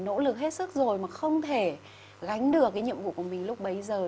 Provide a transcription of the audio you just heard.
nỗ lực hết sức rồi mà không thể gánh được cái nhiệm vụ của mình lúc bấy giờ